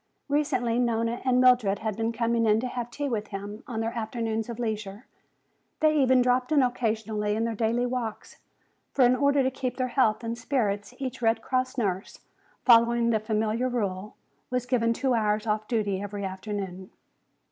Recently Nona and Mildred had been coming in to have tea with him on their afternoons of leisure. They even dropped in occasionally in their daily walks. For in order to keep their health and spirits each Red Cross nurse, following the familiar rule, was given two hours off duty every afternoon.